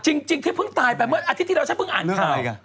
จริงที่เพิ่งตายไปเมื่ออาทิตย์ที่แล้วฉันเพิ่งอ่านข่าว